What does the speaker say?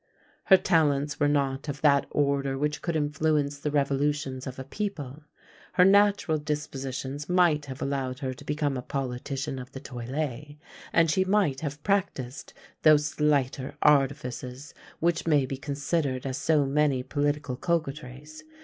Her talents were not of that order which could influence the revolutions of a people. Her natural dispositions might have allowed her to become a politician of the toilet, and she might have practised those slighter artifices, which may be considered as so many political coquetries.